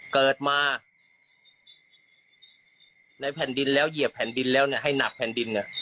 เกิดมาในแผ่นดินแล้วเหยียบแผ่นดินแล้วให้หนักแผ่นดิน